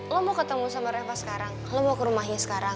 lo mau ketemu sama reva sekarang lo mau ke rumahnya sekarang